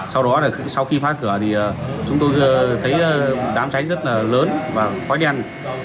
sau đó sau khi phát cửa thì chúng tôi thấy đám cháy rất là lớn và khói đen